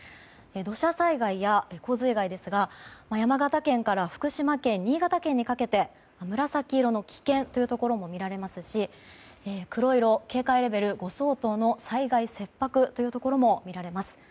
土砂災害や洪水害ですが山形県から福島県、新潟県にかけて紫色の危険というところも見られますし黒色、警戒レベル５相当の災害切迫というところも見られます。